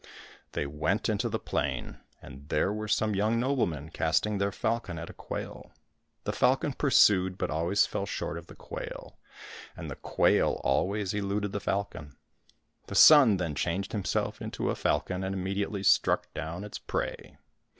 They went into the plain, and there were some young noblemen casting their falcon at a quail. The falcon pursued but always fell short of the quail, and the quail always eluded the falcon. The son then changed himself into a falcon and immediately struck down its prey.